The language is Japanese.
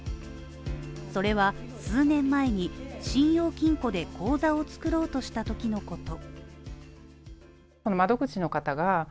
それは数年前に、信用金庫で口座を作ろうとしたときのこと。